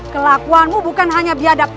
kelakuanmu bukan hanya biadab